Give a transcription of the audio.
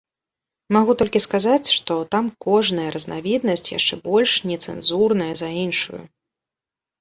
Магу толькі сказаць, што там кожная разнавіднасць яшчэ больш нецэнзурная за іншую.